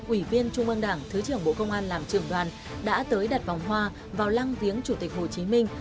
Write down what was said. ủy viên trung ương đảng thứ trưởng bộ công an làm trường đoàn đã tới đặt vòng hoa vào lăng viếng chủ tịch hồ chí minh